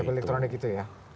ktp elektronik itu ya